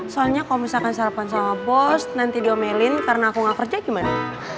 soalnya kalau misalkan sarapan sama bos nanti diomelin karena aku gak kerja gimana